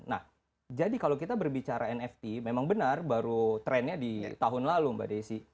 nah jadi kalau kita berbicara nft memang benar baru trennya di tahun lalu mbak desi